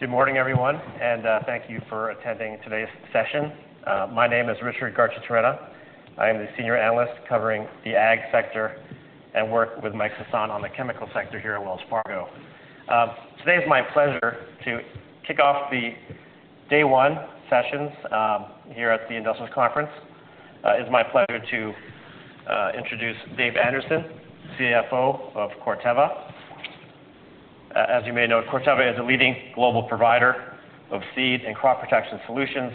Good morning, everyone, and thank you for attending today's session. My name is Richard Garchitorena. I am the senior analyst covering the ag sector and work with Mike Sison on the chemical sector here at Wells Fargo. Today is my pleasure to kick off the Day One sessions here at the Industrial Conference. It is my pleasure to introduce Dave Anderson, CFO of Corteva. As you may know, Corteva is a leading global provider of seed and crop protection solutions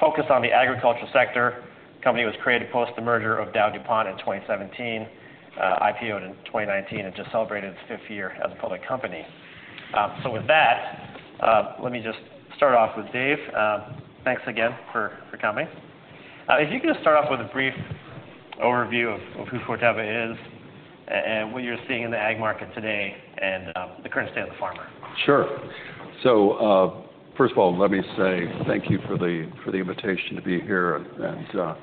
focused on the agricultural sector. The company was created post-merger of DowDuPont in 2017, IPO'd in 2019, and just celebrated its fifth year as a public company. So with that, let me just start off with Dave. Thanks again for coming. If you could just start off with a brief overview of who Corteva is and what you're seeing in the ag market today and the current state of the farmer? Sure. So first of all, let me say thank you for the invitation to be here and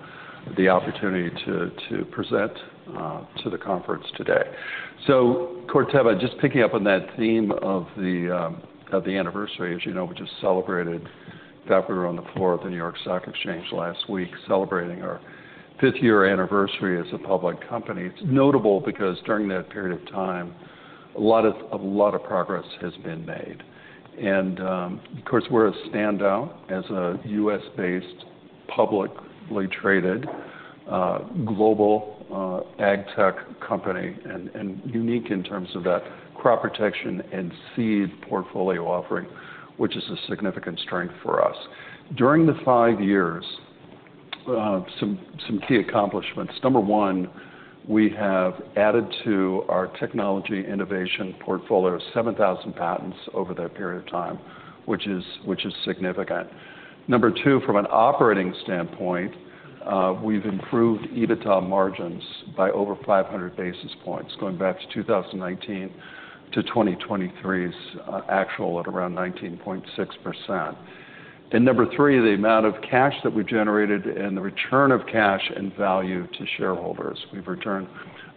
the opportunity to present to the conference today. So Corteva, just picking up on that theme of the anniversary, as you know, we just celebrated that we were on the floor of the New York Stock Exchange last week celebrating our fifth-year anniversary as a public company. It's notable because during that period of time, a lot of progress has been made. Of course, we're a standout as a U.S.-based, publicly traded, global ag tech company and unique in terms of that crop protection and seed portfolio offering, which is a significant strength for us. During the five years, some key accomplishments. Number one, we have added to our technology innovation portfolio 7,000 patents over that period of time, which is significant. Number 2, from an operating standpoint, we've improved EBITDA margins by over 500 basis points, going back to 2019 to 2023's actual at around 19.6%. Number 3, the amount of cash that we generated and the return of cash and value to shareholders. We've returned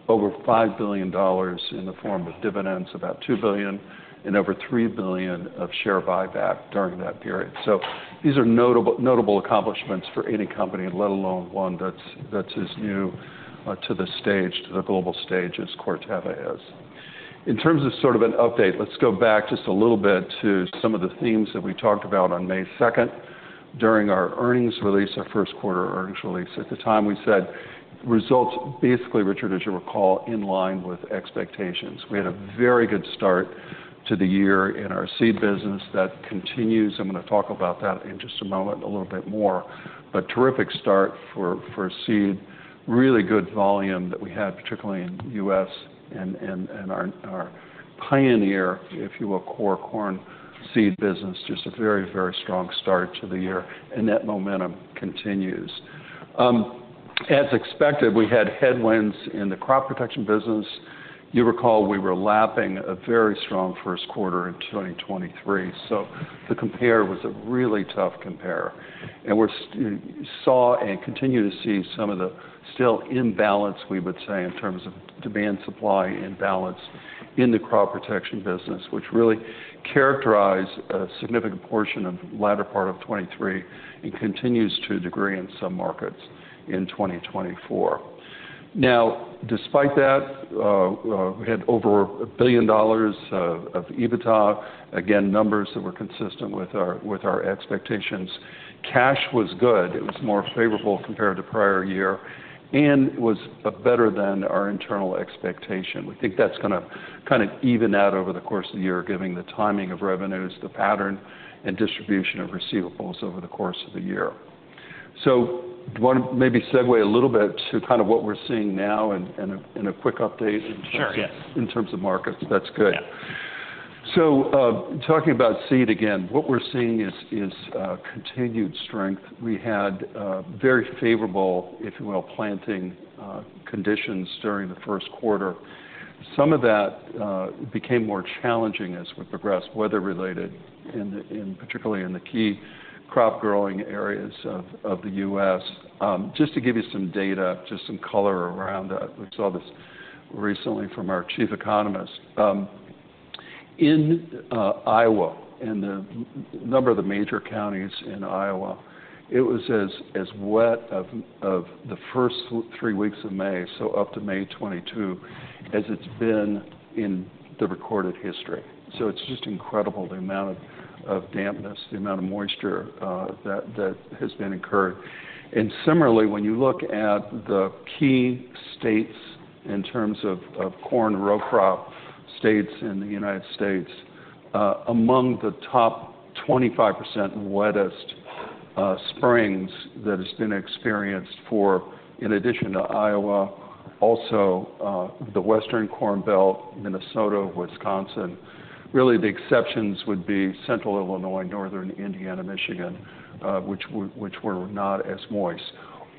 over $5 billion in the form of dividends, about $2 billion, and over $3 billion of share buyback during that period. These are notable accomplishments for any company, let alone one that's as new to the global stage as Corteva is. In terms of sort of an update, let's go back just a little bit to some of the themes that we talked about on May 2nd during our earnings release, our first quarter earnings release. At the time, we said results, basically, Richard, as you recall, in line with expectations. We had a very good start to the year in our seed business that continues. I'm going to talk about that in just a moment, a little bit more. But terrific start for seed, really good volume that we had, particularly in the U.S. and our Pioneer, if you will, corn seed business, just a very, very strong start to the year. And that momentum continues. As expected, we had headwinds in the crop protection business. You recall we were lapping a very strong first quarter in 2023. So the compare was a really tough compare. And we saw and continue to see some of the still imbalance, we would say, in terms of demand-supply imbalance in the crop protection business, which really characterized a significant portion of the latter part of 2023 and continues to a degree in some markets in 2024. Now, despite that, we had over $1 billion of EBITDA, again, numbers that were consistent with our expectations. Cash was good. It was more favorable compared to prior year. And it was better than our internal expectation. We think that's going to kind of even out over the course of the year, given the timing of revenues, the pattern, and distribution of receivables over the course of the year. So do you want to maybe segue a little bit to kind of what we're seeing now and a quick update in terms of markets? Sure, yes. That's good. So talking about seed again, what we're seeing is continued strength. We had very favorable, if you will, planting conditions during the first quarter. Some of that became more challenging as we progressed, weather-related, particularly in the key crop-growing areas of the U.S. Just to give you some data, just some color around that, we saw this recently from our chief economist. In Iowa, and a number of the major counties in Iowa, it was as wet of the first three weeks of May, so up to May 2022, as it's been in the recorded history. So it's just incredible, the amount of dampness, the amount of moisture that has been incurred. Similarly, when you look at the key states in terms of corn row crop states in the United States, among the top 25% wettest springs that has been experienced for, in addition to Iowa, also the western Corn Belt, Minnesota, Wisconsin, really the exceptions would be central Illinois, northern Indiana, Michigan, which were not as moist.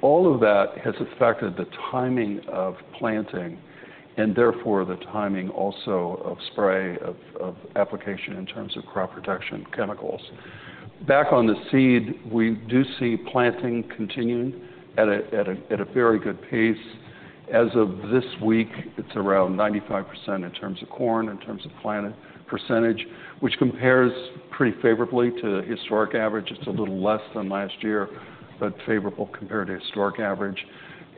All of that has affected the timing of planting and therefore the timing also of spray, of application in terms of crop protection chemicals. Back on the seed, we do see planting continuing at a very good pace. As of this week, it's around 95% in terms of corn, in terms of planted percentage, which compares pretty favorably to historic average. It's a little less than last year, but favorable compared to historic average.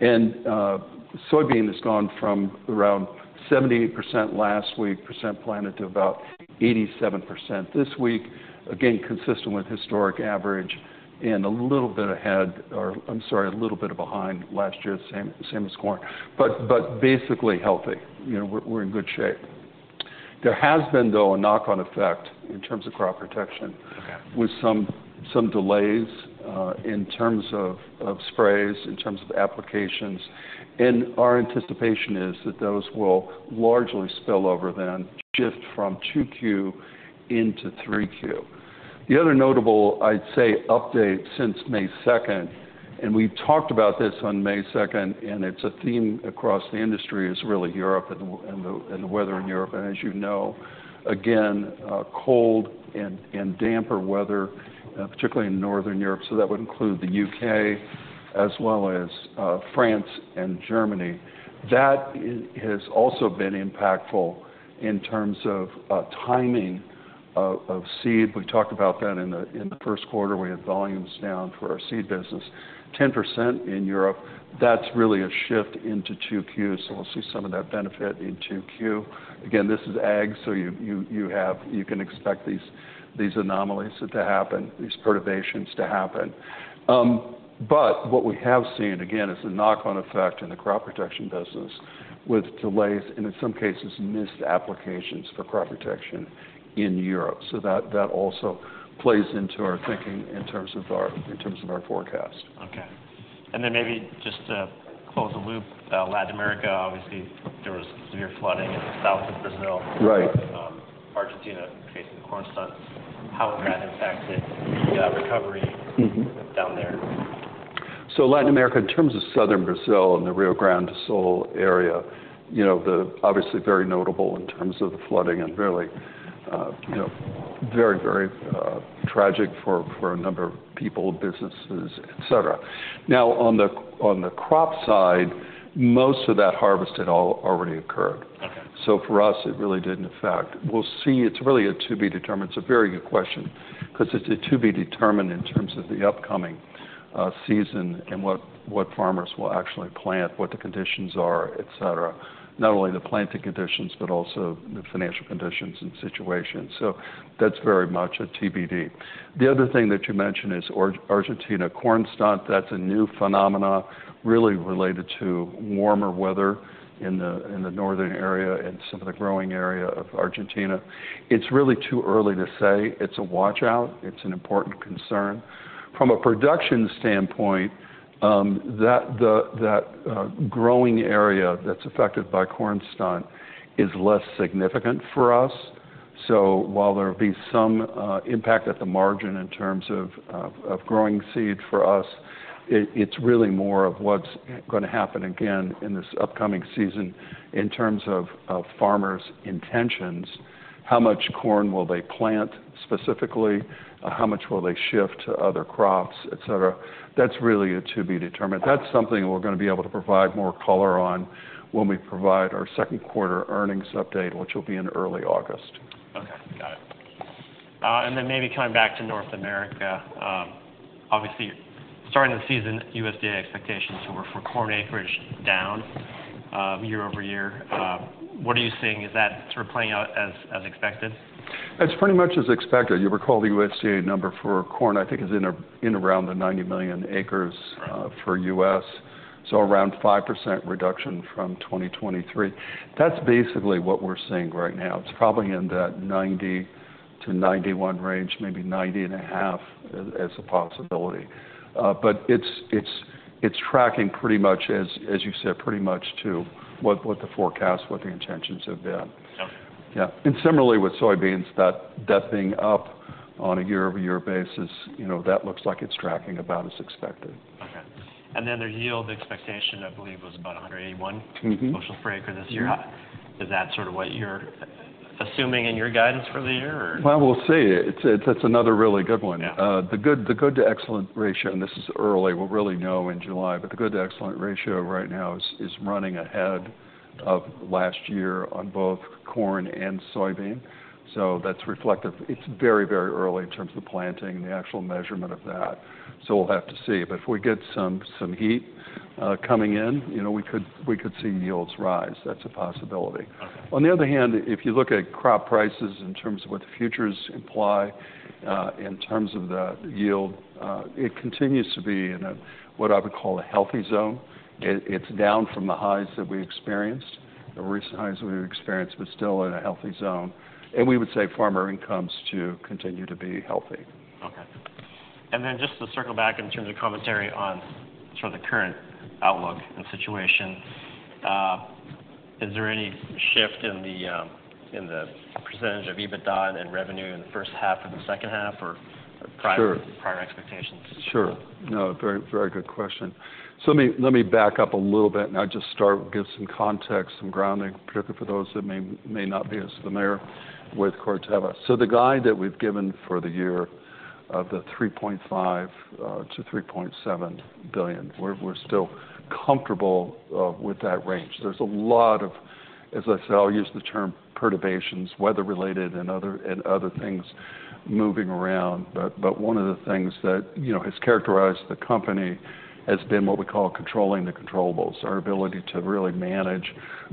Soybean has gone from around 78% last week, percent planted to about 87% this week, again, consistent with historic average and a little bit ahead or, I'm sorry, a little bit behind last year, same as corn, but basically healthy. We're in good shape. There has been, though, a knock-on effect in terms of crop protection with some delays in terms of sprays, in terms of applications. And our anticipation is that those will largely spill over then, shift from 2Q into 3Q. The other notable, I'd say, update since May 2nd, and we've talked about this on May 2nd, and it's a theme across the industry, is really Europe and the weather in Europe. And as you know, again, cold and damp weather, particularly in northern Europe, so that would include the U.K., as well as France and Germany. That has also been impactful in terms of timing of seed. We talked about that in the first quarter. We had volumes down for our seed business, 10% in Europe. That's really a shift into 2Q, so we'll see some of that benefit in 2Q. Again, this is ag, so you can expect these anomalies to happen, these perturbations to happen. But what we have seen, again, is a knock-on effect in the crop protection business with delays and in some cases missed applications for crop protection in Europe. So that also plays into our thinking in terms of our forecast. Okay. And then maybe just to close the loop, Latin America, obviously, there was severe flooding in the south of Brazil. Right. Argentina facing corn stunt. How has that impacted the recovery down there? So Latin America, in terms of southern Brazil and the Rio Grande do Sul area, obviously very notable in terms of the flooding and really very, very tragic for a number of people, businesses, etc. Now, on the crop side, most of that harvest had already occurred. So for us, it really didn't affect. We'll see. It's really a to be determined. It's a very good question because it's a to be determined in terms of the upcoming season and what farmers will actually plant, what the conditions are, etc. Not only the planting conditions, but also the financial conditions and situation. So that's very much a to be determined. The other thing that you mentioned is Argentina corn stunt. That's a new phenomenon really related to warmer weather in the northern area and some of the growing area of Argentina. It's really too early to say. It's a watch-out. It's an important concern. From a production standpoint, that growing area that's affected by corn stunt is less significant for us. So while there will be some impact at the margin in terms of growing seed for us, it's really more of what's going to happen again in this upcoming season in terms of farmers' intentions. How much corn will they plant specifically? How much will they shift to other crops, etc.? That's really a to-be determined. That's something we're going to be able to provide more color on when we provide our second quarter earnings update, which will be in early August. Okay. Got it. And then maybe coming back to North America, obviously, starting the season, USDA expectations were for corn acreage down year-over-year. What are you seeing? Is that sort of playing out as expected? That's pretty much as expected. You recall the USDA number for corn, I think is in around the 90 million acres for U.S. So around 5% reduction from 2023. That's basically what we're seeing right now. It's probably in that 90-91 range, maybe 90.5 as a possibility. But it's tracking pretty much, as you said, pretty much to what the forecast, what the intentions have been. Yeah. And similarly with soybeans, that being up on a year-over-year basis, that looks like it's tracking about as expected. Okay. And then the yield expectation, I believe, was about 181 bushels per acre this year. Is that sort of what you're assuming in your guidance for the year, or? Well, we'll see. That's another really good one. The good-to-excellent ratio, and this is early, we'll really know in July, but the good-to-excellent ratio right now is running ahead of last year on both corn and soybean. So that's reflective. It's very, very early in terms of the planting, the actual measurement of that. So we'll have to see. But if we get some heat coming in, we could see yields rise. That's a possibility. On the other hand, if you look at crop prices in terms of what the futures imply in terms of the yield, it continues to be in what I would call a healthy zone. It's down from the highs that we experienced, the recent highs we've experienced, but still in a healthy zone. And we would say farmer incomes to continue to be healthy. Okay. And then just to circle back in terms of commentary on sort of the current outlook and situation, is there any shift in the percentage of EBITDA and revenue in the first half or the second half or prior expectations? Sure. Sure. No, very good question. So let me back up a little bit and I'll just start with some context, some grounding, particularly for those that may not be as familiar with Corteva. So the guide that we've given for the year of the $3.5 billion-$3.7 billion, we're still comfortable with that range. There's a lot of, as I said, I'll use the term perturbations, weather-related and other things moving around. But one of the things that has characterized the company has been what we call controlling the controllables. Our ability to really manage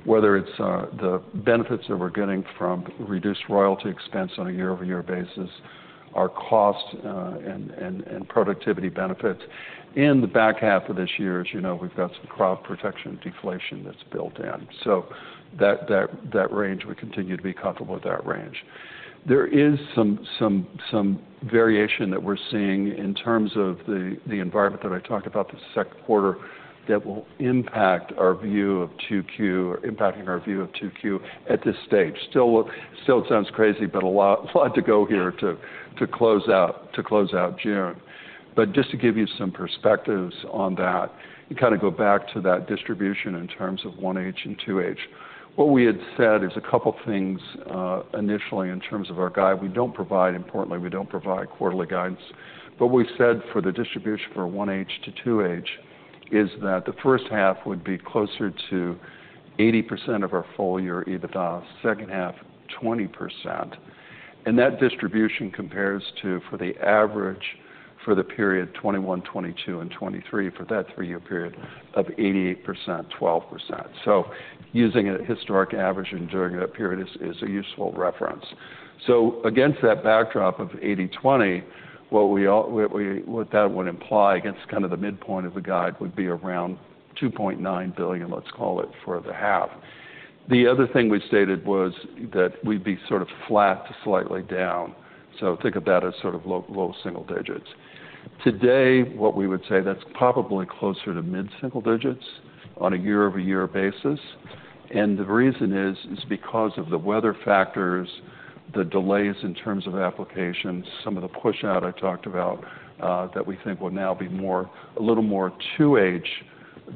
whether it's the benefits that we're getting from reduced royalty expense on a year-over-year basis, our cost and productivity benefits. In the back half of this year, as you know, we've got some crop protection deflation that's built in. So that range, we continue to be comfortable with that range. There is some variation that we're seeing in terms of the environment that I talked about the second quarter that will impact our view of 2Q, impacting our view of 2Q at this stage. Still, it sounds crazy, but a lot to go here to close out June. But just to give you some perspectives on that and kind of go back to that distribution in terms of 1H and 2H, what we had said is a couple of things initially in terms of our guide. We don't provide, importantly, we don't provide quarterly guidance. But what we said for the distribution for 1H to 2H is that the first half would be closer to 80% of our full year EBITDA, second half, 20%. And that distribution compares to, for the average for the period 2021, 2022, and 2023 for that three-year period of 88%, 12%. So using a historic average and during that period is a useful reference. So against that backdrop of 80/20, what that would imply against kind of the midpoint of the guide would be around $2.9 billion, let's call it, for the half. The other thing we stated was that we'd be sort of flat to slightly down. So think of that as sort of low single digits. Today, what we would say, that's probably closer to mid-single digits on a year-over-year basis. And the reason is because of the weather factors, the delays in terms of applications, some of the push-out I talked about that we think will now be a little more 2H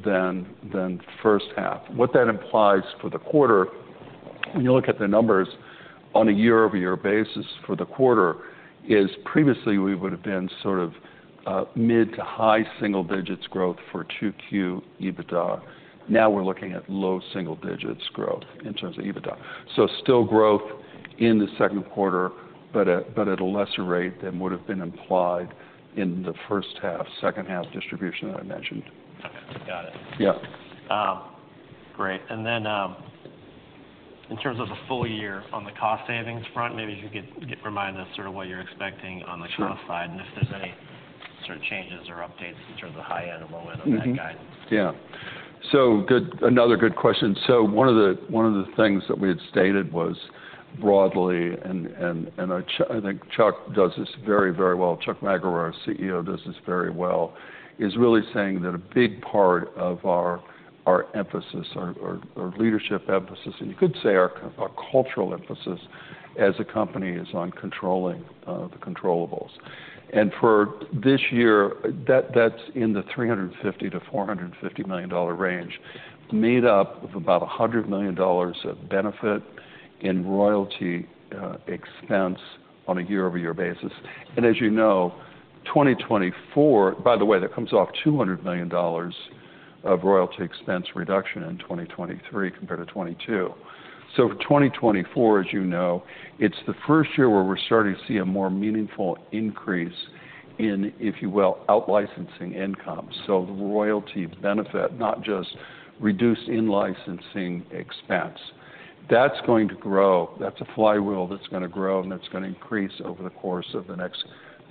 than first half. What that implies for the quarter, when you look at the numbers on a year-over-year basis for the quarter, is previously we would have been sort of mid- to high-single-digits growth for 2Q EBITDA. Now we're looking at low-single-digits growth in terms of EBITDA. So still growth in the second quarter, but at a lesser rate than would have been implied in the first half, second half distribution that I mentioned. Okay. Got it. Yeah. Great. And then in terms of the full year on the cost savings front, maybe you could remind us sort of what you're expecting on the cost side and if there's any sort of changes or updates in terms of high end or low end on that guide? Yeah. So another good question. So one of the things that we had stated was broadly, and I think Chuck does this very, very well. Chuck Magro, our CEO, does this very well, is really saying that a big part of our emphasis, our leadership emphasis, and you could say our cultural emphasis as a company is on controlling the controllables. And for this year, that's in the $350 million-$450 million range made up of about $100 million of benefit and royalty expense on a year-over-year basis. And as you know, 2024, by the way, that comes off $200 million of royalty expense reduction in 2023 compared to 2022. So for 2024, as you know, it's the first year where we're starting to see a more meaningful increase in, if you will, outlicensing income. So the royalty benefit, not just reduced in-licensing expense, that's going to grow. That's a flywheel that's going to grow and that's going to increase over the course of the next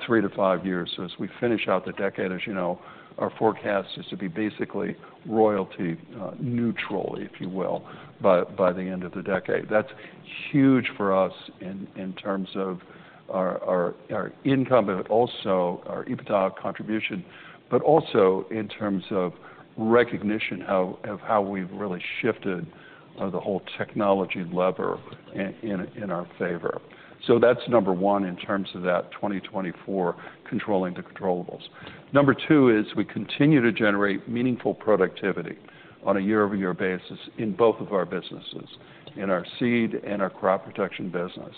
3-5 years. So as we finish out the decade, as you know, our forecast is to be basically royalty neutral, if you will, by the end of the decade. That's huge for us in terms of our income, but also our EBITDA contribution, but also in terms of recognition of how we've really shifted the whole technology lever in our favor. So that's number one in terms of that 2024 controlling the controllables. Number two is we continue to generate meaningful productivity on a year-over-year basis in both of our businesses, in our seed and our crop protection business.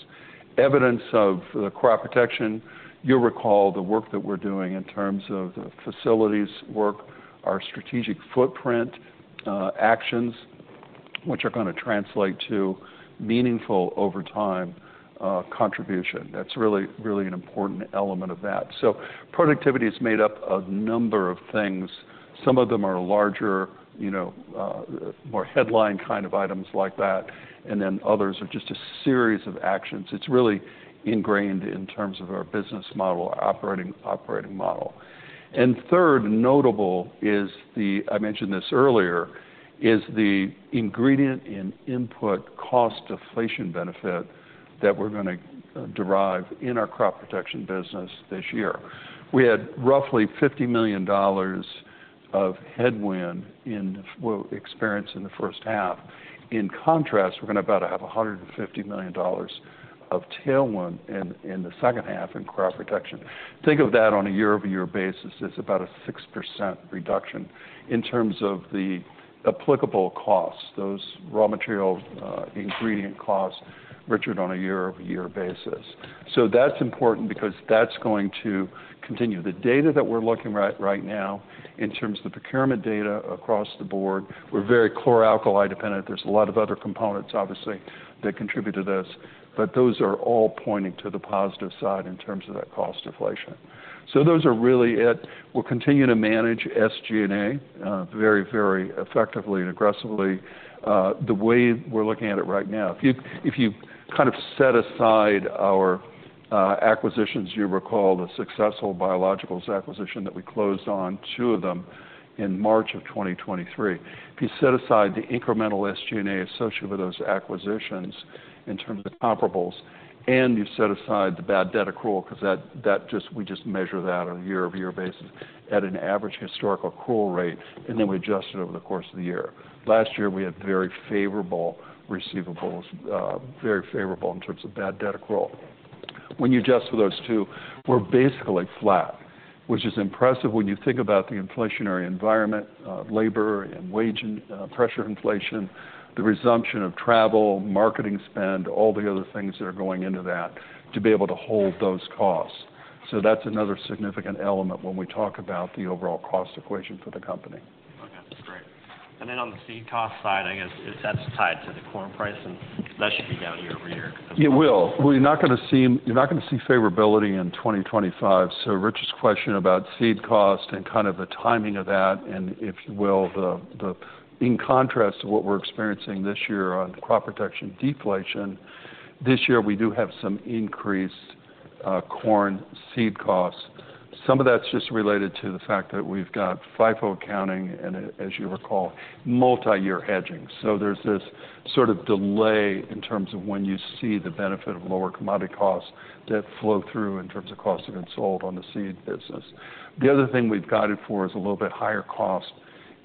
Evidence of the crop protection, you'll recall the work that we're doing in terms of the facilities work, our strategic footprint actions, which are going to translate to meaningful overtime contribution. That's really an important element of that. So productivity is made up of a number of things. Some of them are larger, more headline kind of items like that, and then others are just a series of actions. It's really ingrained in terms of our business model, our operating model. And third, notable is the, I mentioned this earlier, is the ingredient and input cost deflation benefit that we're going to derive in our crop protection business this year. We had roughly $50 million of headwind in experience in the first half. In contrast, we're going to about have $150 million of tailwind in the second half in crop protection. Think of that on a year-over-year basis. It's about a 6% reduction in terms of the applicable costs, those raw material ingredient costs, Richard, on a year-over-year basis. So that's important because that's going to continue. The data that we're looking at right now in terms of the procurement data across the board, we're very chlor-alkali dependent. There's a lot of other components, obviously, that contribute to this, but those are all pointing to the positive side in terms of that cost deflation. So those are really it. We'll continue to manage SG&A very, very effectively and aggressively. The way we're looking at it right now, if you kind of set aside our acquisitions, you recall the successful biologicals acquisition that we closed on 2 of them in March of 2023. If you set aside the incremental SG&A associated with those acquisitions in terms of comparables, and you set aside the bad debt accrual, because we just measure that on a year-over-year basis at an average historical accrual rate, and then we adjust it over the course of the year. Last year, we had very favorable receivables, very favorable in terms of bad debt accrual. When you adjust for those two, we're basically flat, which is impressive when you think about the inflationary environment, labor and wage and pressure inflation, the resumption of travel, marketing spend, all the other things that are going into that to be able to hold those costs. So that's another significant element when we talk about the overall cost equation for the company. Okay. Great. And then on the seed cost side, I guess that's tied to the corn price, and that should be down year over year. It will. We're not going to see favorability in 2025. So Richard's question about seed cost and kind of the timing of that, and if you will, in contrast to what we're experiencing this year on crop protection deflation, this year we do have some increased corn seed costs. Some of that's just related to the fact that we've got FIFO accounting and, as you recall, multi-year hedging. So there's this sort of delay in terms of when you see the benefit of lower commodity costs that flow through in terms of cost of goods sold on the seed business. The other thing we've guided for is a little bit higher cost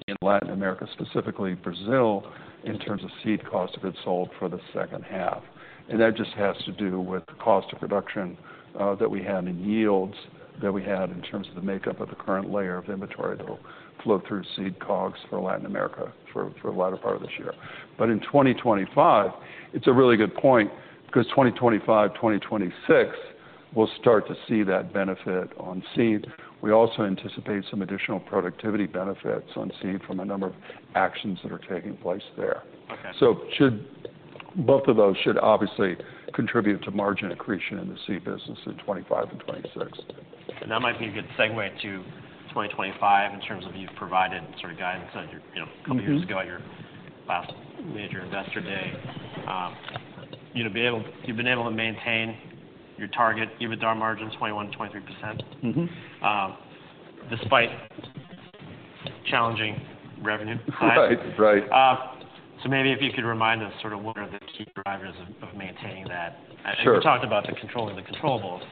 in Latin America, specifically Brazil, in terms of seed cost of goods sold for the second half. That just has to do with the cost of production that we had in yields that we had in terms of the makeup of the current layer of inventory that will flow through seed COGS for Latin America for the latter part of this year. But in 2025, it's a really good point because 2025, 2026, we'll start to see that benefit on seed. We also anticipate some additional productivity benefits on seed from a number of actions that are taking place there. Both of those should obviously contribute to margin accretion in the seed business in 2025 and 2026. That might be a good segue to 2025 in terms of you've provided sort of guidance a couple of years ago at your last major investor day. You've been able to maintain your target EBITDA margin, 21%-23%, despite challenging revenue side. Right. Right. So maybe if you could remind us sort of what are the key drivers of maintaining that? You talked about controlling the controllables.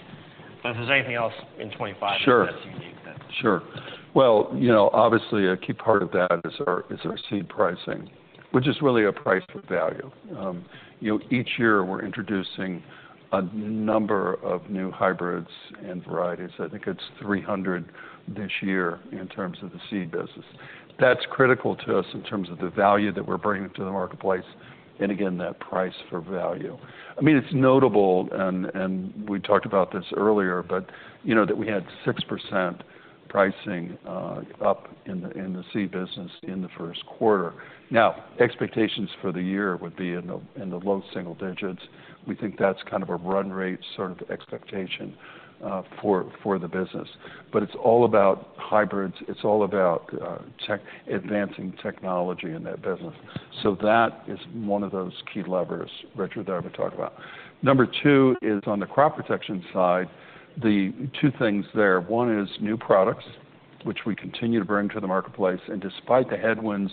But if there's anything else in 2025 that's unique that. Sure. Well, obviously, a key part of that is our seed pricing, which is really a price for value. Each year, we're introducing a number of new hybrids and varieties. I think it's 300 this year in terms of the seed business. That's critical to us in terms of the value that we're bringing to the marketplace and, again, that price for value. I mean, it's notable, and we talked about this earlier, but that we had 6% pricing up in the seed business in the first quarter. Now, expectations for the year would be in the low single digits. We think that's kind of a run rate sort of expectation for the business. But it's all about hybrids. It's all about advancing technology in that business. So that is one of those key levers Richard and I were talking about. Number two is on the crop protection side, the two things there. One is new products, which we continue to bring to the marketplace. Despite the headwinds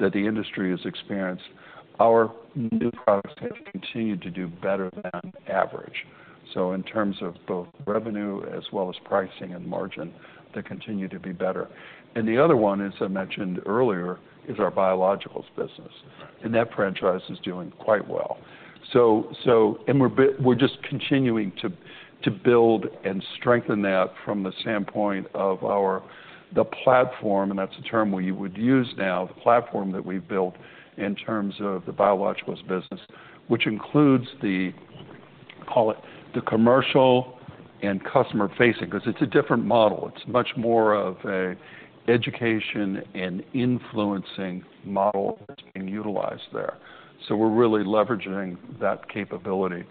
that the industry has experienced, our new products have continued to do better than average. In terms of both revenue as well as pricing and margin, they continue to be better. The other one, as I mentioned earlier, is our biologicals business. That franchise is doing quite well. We're just continuing to build and strengthen that from the standpoint of the platform, and that's the term we would use now, the platform that we've built in terms of the biologicals business, which includes the commercial and customer-facing because it's a different model. It's much more of an education and influencing model that's being utilized there. We're really leveraging that capability.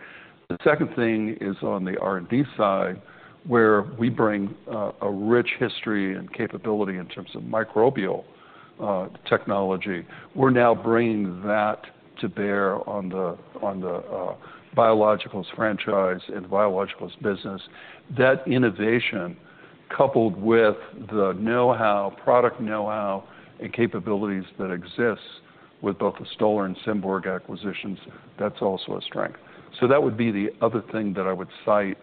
The second thing is on the R&D side, where we bring a rich history and capability in terms of microbial technology. We're now bringing that to bear on the biologicals franchise and biologicals business. That innovation, coupled with the know-how, product know-how, and capabilities that exist with both the Stoller and Symborg acquisitions, that's also a strength. So that would be the other thing that I would cite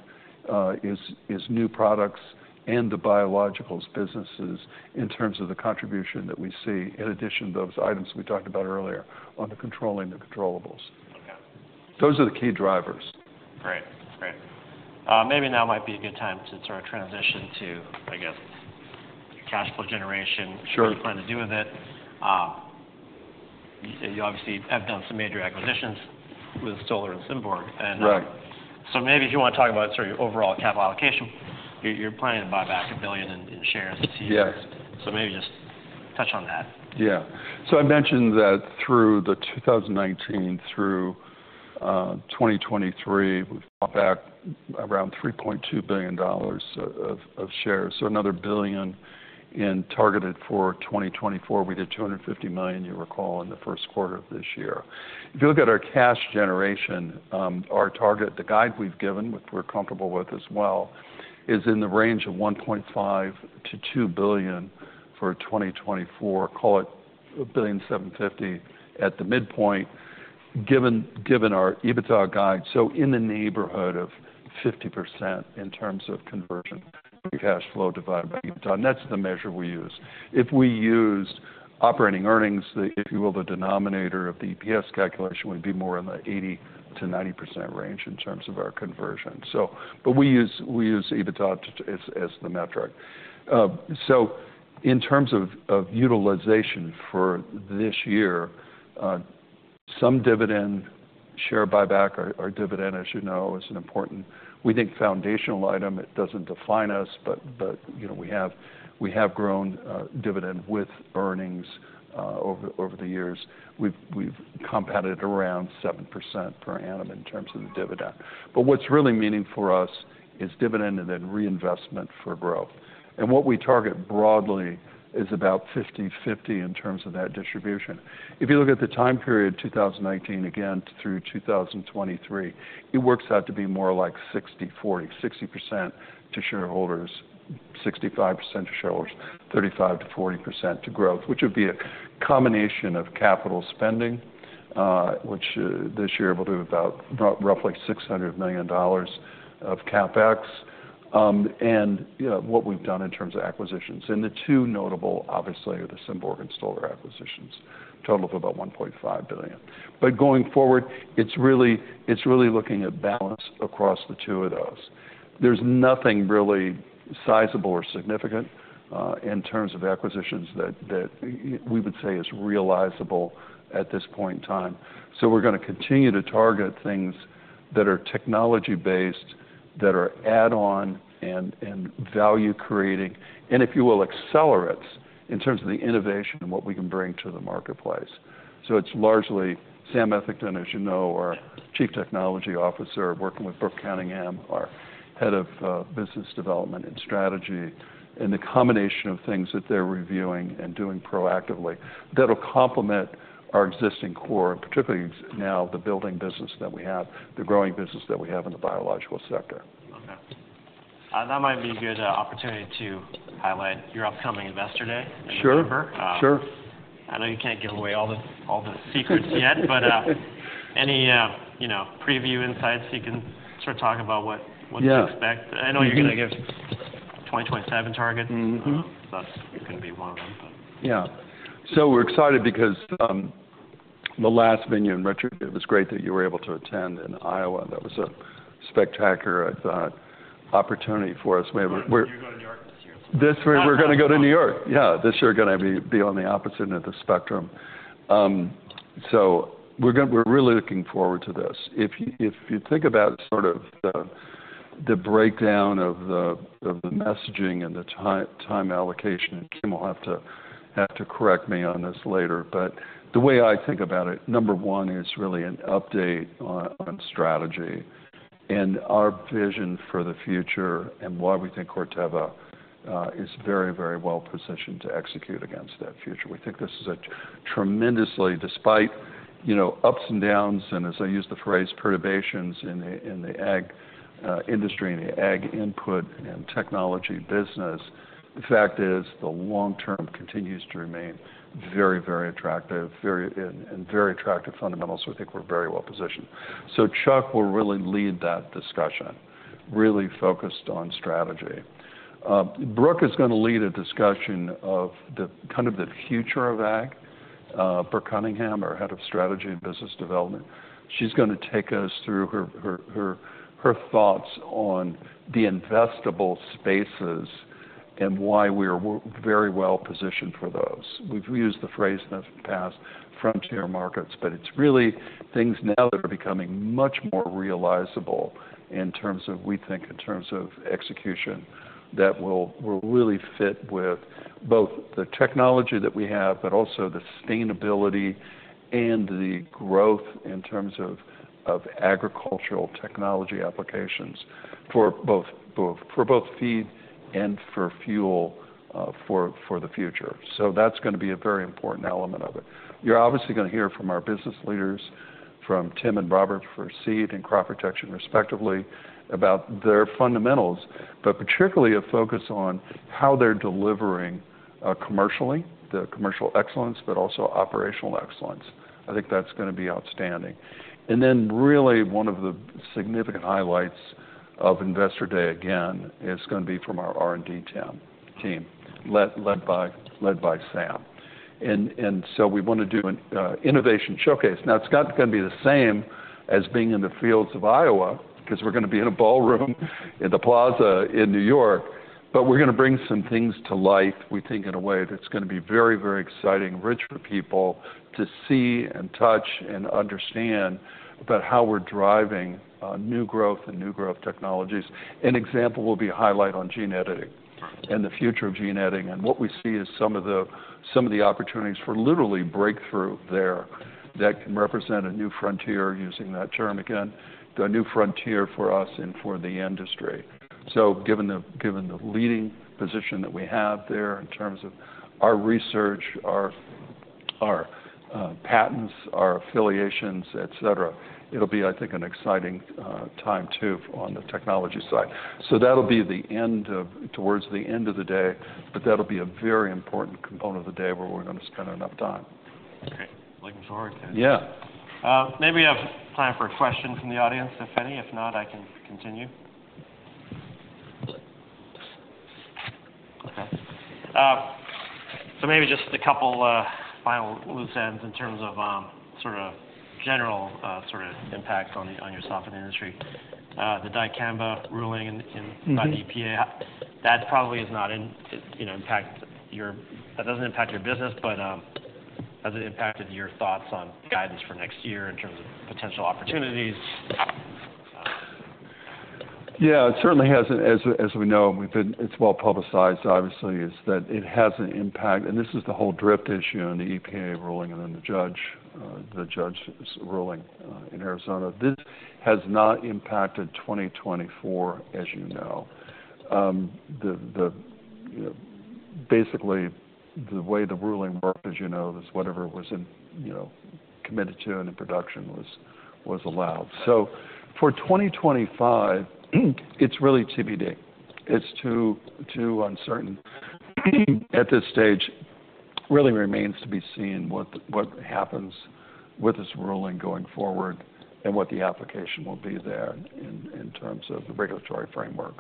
is new products and the biologicals businesses in terms of the contribution that we see, in addition to those items we talked about earlier on the controlling and the controllables. Those are the key drivers. Great. Great. Maybe now might be a good time to sort of transition to, I guess, cash flow generation. What are you planning to do with it? You obviously have done some major acquisitions with Stoller and Symborg. And so maybe if you want to talk about sort of your overall capital allocation, you're planning to buy back $1 billion in shares to you. So maybe just touch on that. Yeah. So I mentioned that through the 2019 through 2023, we've bought back around $3.2 billion of shares. So another $1 billion is targeted for 2024. We did $250 million, you recall, in the first quarter of this year. If you look at our cash generation, our target, the guide we've given, which we're comfortable with as well, is in the range of $1.5-$2 billion for 2024, call it $1.75 billion at the midpoint, given our EBITDA guide. So in the neighborhood of 50% in terms of conversion cash flow divided by EBITDA. And that's the measure we use. If we used operating earnings, if you will, the denominator of the EPS calculation would be more in the 80%-90% range in terms of our conversion. But we use EBITDA as the metric. So in terms of utilization for this year, some dividend, share buyback, or dividend, as you know, is an important, we think, foundational item. It doesn't define us, but we have grown dividend with earnings over the years. We've compounded around 7% per annum in terms of the dividend. But what's really meaning for us is dividend and then reinvestment for growth. And what we target broadly is about 50/50 in terms of that distribution. If you look at the time period, 2019, again, through 2023, it works out to be more like 60/40, 60%-65% to shareholders, 35%-40% to growth, which would be a combination of capital spending, which this year will be about roughly $600 million of CapEx. And what we've done in terms of acquisitions. And the two notable, obviously, are the Symborg and Stoller acquisitions, total of about $1.5 billion. But going forward, it's really looking at balance across the two of those. There's nothing really sizable or significant in terms of acquisitions that we would say is realizable at this point in time. So we're going to continue to target things that are technology-based, that are add-on and value-creating, and, if you will, accelerates in terms of the innovation and what we can bring to the marketplace. So it's largely Sam Eathington, as you know, our Chief Technology Officer, working with Brooke Cunningham, our head of business development and strategy, and the combination of things that they're reviewing and doing proactively that will complement our existing core, particularly now the building business that we have, the growing business that we have in the biological sector. Okay. That might be a good opportunity to highlight your upcoming investor day in November. Sure. Sure. I know you can't give away all the secrets yet, but any preview insights you can sort of talk about what to expect? I know you're going to give 2027 targets. That's going to be one of them. Yeah. So we're excited because the last venue, and Richard, it was great that you were able to attend in Iowa. That was a spectacular, I thought, opportunity for us. You're going to New York this year. This year, we're going to go to New York. Yeah. This year, we're going to be on the opposite end of the spectrum. So we're really looking forward to this. If you think about sort of the breakdown of the messaging and the time allocation, and Kim will have to correct me on this later. But the way I think about it, number one is really an update on strategy and our vision for the future and why we think Corteva is very, very well positioned to execute against that future. We think this is a tremendously, despite ups and downs, and as I use the phrase, perturbations in the ag industry and the ag input and technology business. The fact is the long term continues to remain very, very attractive and very attractive fundamentals. We think we're very well positioned. So Chuck will really lead that discussion, really focused on strategy. Brooke is going to lead a discussion of kind of the future of ag. Brooke Cunningham, our head of strategy and business development, she's going to take us through her thoughts on the investable spaces and why we are very well positioned for those. We've used the phrase in the past, frontier markets, but it's really things now that are becoming much more realizable in terms of, we think, in terms of execution that will really fit with both the technology that we have, but also the sustainability and the growth in terms of agricultural technology applications for both feed and for fuel for the future. So that's going to be a very important element of it. You're obviously going to hear from our business leaders, from Tim and Robert for seed and crop protection, respectively, about their fundamentals, but particularly a focus on how they're delivering commercially, the commercial excellence, but also operational excellence. I think that's going to be outstanding. And then really one of the significant highlights of investor day, again, is going to be from our R&D team, led by Sam. And so we want to do an innovation showcase. Now, it's not going to be the same as being in the fields of Iowa because we're going to be in a ballroom in the Plaza in New York, but we're going to bring some things to life, we think, in a way that's going to be very, very exciting, rich for people to see and touch and understand about how we're driving new growth and new growth technologies. An example will be a highlight on gene editing and the future of gene editing and what we see as some of the opportunities for literally breakthrough there that can represent a new frontier, using that term again, a new frontier for us and for the industry. So given the leading position that we have there in terms of our research, our patents, our affiliations, etc., it'll be, I think, an exciting time too on the technology side. So that'll be towards the end of the day, but that'll be a very important component of the day where we're going to spend enough time. Okay. Like we've already. Yeah. Maybe we have time for a question from the audience, if any. If not, I can continue. Okay. So maybe just a couple final loose ends in terms of sort of general sort of impact on yourself in the industry. The dicamba ruling by the EPA, that probably has not impacted your business, but has it impacted your thoughts on guidance for next year in terms of potential opportunities? Yeah. It certainly hasn't. As we know, it's well publicized, obviously, is that it has an impact. And this is the whole drift issue in the EPA ruling and then the judge's ruling in Arizona. This has not impacted 2024, as you know. Basically, the way the ruling worked, as you know, is whatever was committed to and in production was allowed. So for 2025, it's really TBD. It's too uncertain at this stage. Really remains to be seen what happens with this ruling going forward and what the application will be there in terms of the regulatory framework.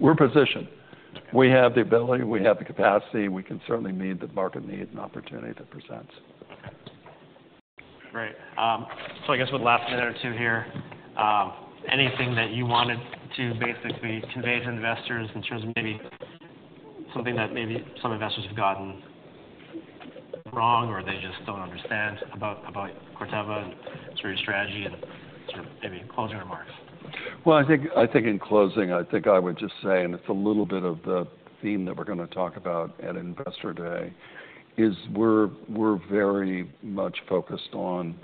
We're positioned. We have the ability. We have the capacity. We can certainly meet the market need and opportunity that presents. Great. So I guess with the last minute or two here, anything that you wanted to basically convey to investors in terms of maybe something that maybe some investors have gotten wrong or they just don't understand about Corteva and sort of your strategy and sort of maybe closing remarks? Well, I think in closing, I think I would just say, and it's a little bit of the theme that we're going to talk about at investor day, is we're very much focused on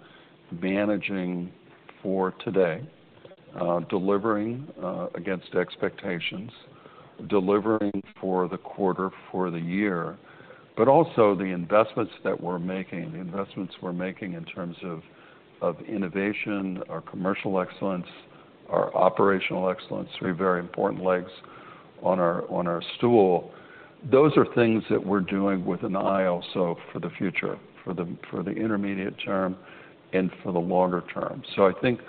managing for today, delivering against expectations, delivering for the quarter, for the year, but also the investments that we're making, the investments we're making in terms of innovation, our commercial excellence, our operational excellence, three very important legs on our stool. Those are things that we're doing with an eye also for the future, for the intermediate term and for the longer term. So I think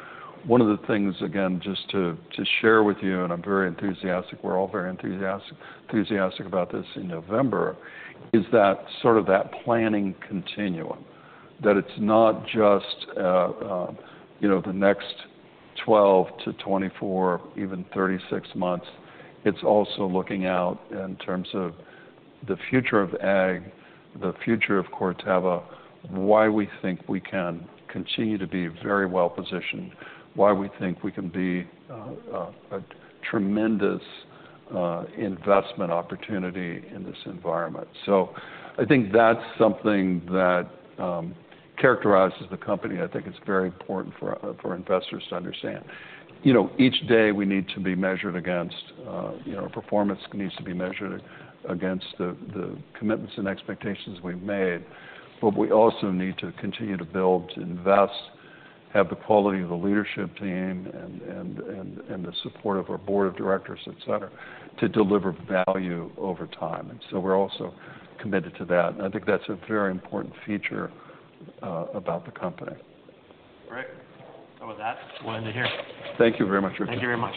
one of the things, again, just to share with you, and I'm very enthusiastic, we're all very enthusiastic about this in November, is that sort of that planning continuum, that it's not just the next 12-24, even 36 months. It's also looking out in terms of the future of ag, the future of Corteva, why we think we can continue to be very well positioned, why we think we can be a tremendous investment opportunity in this environment. So I think that's something that characterizes the company. I think it's very important for investors to understand. Each day, we need to be measured against our performance needs to be measured against the commitments and expectations we've made. But we also need to continue to build, invest, have the quality of the leadership team and the support of our board of directors, etc., to deliver value over time. And so we're also committed to that. And I think that's a very important feature about the company. Great. That was it. We'll end it here. Thank you very much, Richard. Thank you very much.